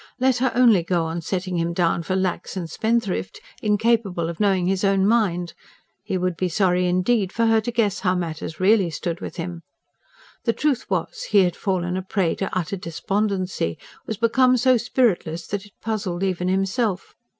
Let her only go on setting him down for lax and spendthrift, incapable of knowing his own mind. He would be sorry, indeed, for her to guess how matters really stood with him. The truth was, he had fallen a prey to utter despondency, was become so spiritless that it puzzled even himself.